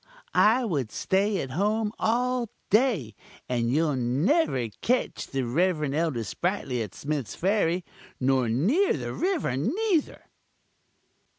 I would stay at home all day; and you'll never ketch the Rev. Elder Sprightly at Smith's Ferry nor near the river neither!"